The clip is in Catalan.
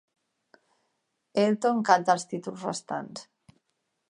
Elton canta els títols restants.